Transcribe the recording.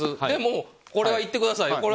でも、これはやってください